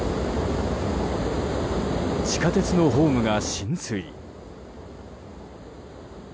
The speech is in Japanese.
地下鉄のホームが浸水。